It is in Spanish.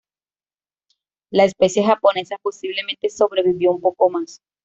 La especie japonesa posiblemente sobrevivió un poco más.